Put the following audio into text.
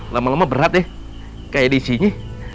lama lama berat deh kayak disini